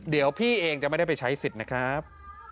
เดี๋ยวพี่เองจะไม่ได้ไปใช้สิทธิ์นะครับ